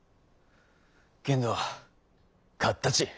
けんど勝ったち